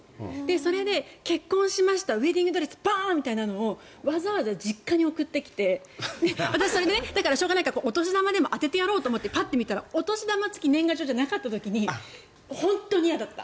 それで結婚しましたウェディングドレスバーンみたいなのをわざわざ実家に送ってきて私はしょうがないからお年玉でも当ててやろうと思ってパッと見たらお年玉付き年賀状じゃなかった時に本当に嫌だった。